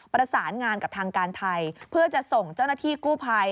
ประสานงานกับทางการไทยเพื่อจะส่งเจ้าหน้าที่กู้ภัย